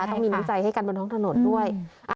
ต้องมีน้ำใจให้กันบนท้องถนนด้วย